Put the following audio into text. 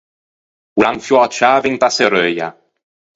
O l’à infiou a ciave inta serreuia.